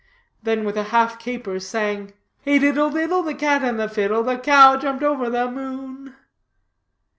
Then with a half caper sang "'Hey diddle, diddle, the cat and the fiddle; The cow jumped over the moon.'